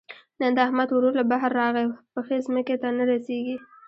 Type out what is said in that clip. نن د احمد ورور له بهر راغی؛ پښې ځمکې ته نه رسېږي.